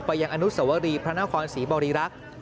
ยังอนุสวรีพระนครศรีบริรักษ์